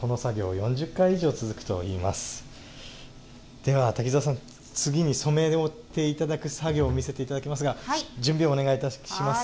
では瀧澤さん次に染めおって頂く作業を見せて頂きますが準備をお願いいたします。